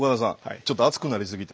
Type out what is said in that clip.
ちょっと熱くなりすぎて。